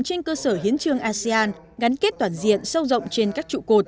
trên cơ sở hiến trương asean gắn kết toàn diện sâu rộng trên các trụ cột